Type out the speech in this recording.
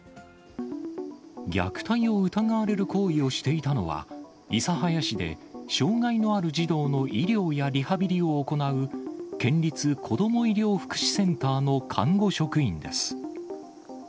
虐待を疑われる行為をしていたのは、諫早市で障がいのある児童の医療やリハビリを行う県立こども医療福祉センターの看護職員です。